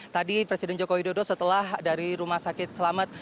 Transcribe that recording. tadi presiden jokowi dodo setelah dari rumah sakit selamat